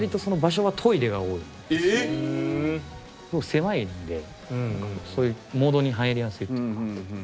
狭いんでそういうモードに入りやすいというか。